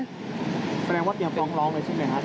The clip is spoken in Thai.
แสดงว่าเครื่องพ้องร้องนึงใช่ไหมคะ